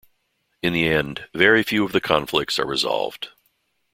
In the end, very few of the conflicts are resolved.